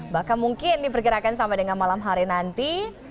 bahkan mungkin diperkirakan sampai dengan malam hari nanti